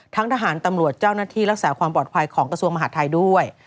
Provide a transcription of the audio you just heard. ทหารตำรวจเจ้าหน้าที่รักษาความปลอดภัยของกระทรวงมหาดไทยด้วย